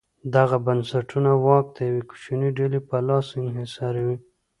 دغه بنسټونه واک د یوې کوچنۍ ډلې په لاس انحصاروي.